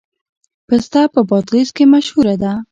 پسته په بادغیس کې مشهوره ده